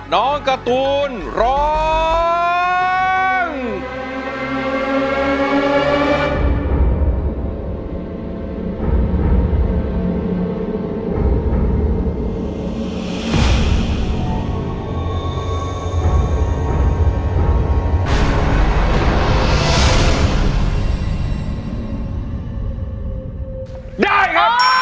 น้องการ์ตูนร้อง